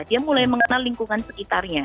dia mulai mengenal lingkungan sekitarnya